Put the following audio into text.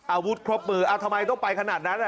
อาวุธครบมือทำไมต้องไปขนาดนั้น